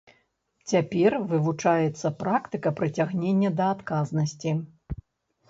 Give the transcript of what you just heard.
Цяпер вывучаецца практыка прыцягнення да адказнасці.